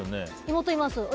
妹います。